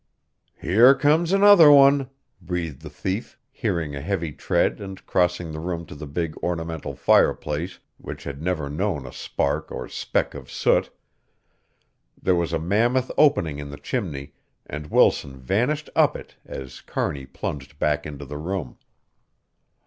"Here comes another one," breathed the thief, hearing a heavy tread and crossing the room to the big ornamental fireplace which had never known a spark or speck of soot. There was a mammoth opening in the chimney and Wilson vanished up it as Kearney plunged back into the room.